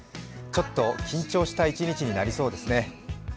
ちょっと緊張した一日になりそうですね。